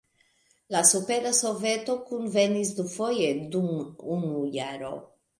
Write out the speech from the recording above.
La Supera Soveto kunvenis dufoje dum unu jaro.